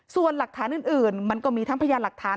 ส่วนหลักฐานอื่นมันก็มีทั้งพยานหลักฐาน